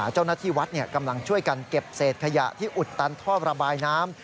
เจ้าหน้าที่วัดกำลังช่วยกันเก็บเศษขยะที่อุดตันท่อระบายน้ำ